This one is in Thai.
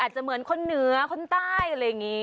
จะเหมือนคนเหนือคนใต้อะไรอย่างนี้